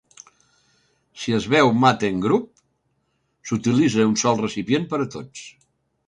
Si es beu mate en grup, s'utilitza un sol recipient per a tots.